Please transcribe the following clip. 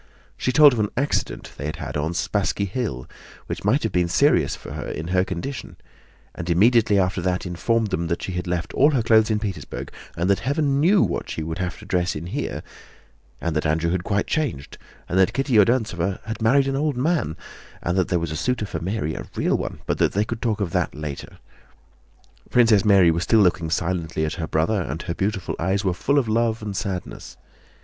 She told of an accident they had had on the Spásski Hill which might have been serious for her in her condition, and immediately after that informed them that she had left all her clothes in Petersburg and that heaven knew what she would have to dress in here; and that Andrew had quite changed, and that Kitty Odýntsova had married an old man, and that there was a suitor for Mary, a real one, but that they would talk of that later. Princess Mary was still looking silently at her brother and her beautiful eyes were full of love and sadness.